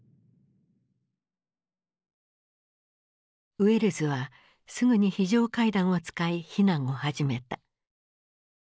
ウェルズはすぐに非常階段を使い避難を始めた。